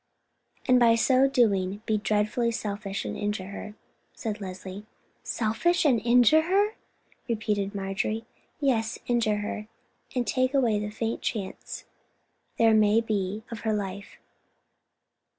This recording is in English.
"And by so doing be dreadfully selfish and injure her," said Leslie. "Selfish, and injure her!" repeated Marjorie. "Yes, injure her, and take away the faint chance there may be of her life."